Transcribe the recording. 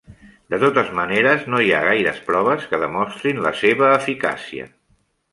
De totes maneres, no hi ha gaires proves que demostrin la seva eficàcia.